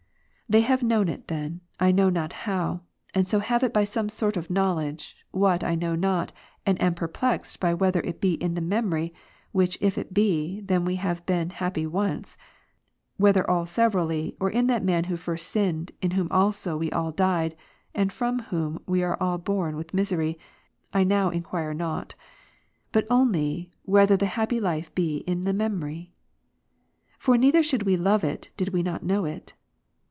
They have known it then, I know not how, and so have it by some sort of knowledge, what, I know not, and am perplexed whether it be in the memory, which if it be, then we have been happy once ; whether all severally, or in that man who first sinned, in luhom also we all died, and from whom we 1 Cor. are all born with misery, I now enquire not ; but only, whe ' ther the happy life be in the memory? For neither should we love it, did we not know it.